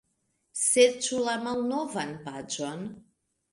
Serĉu la malnovan paĝon.